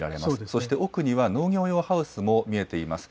そして奥には、農業用ハウスも見えています。